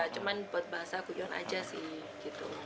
cuma buat bahasa kuyon aja sih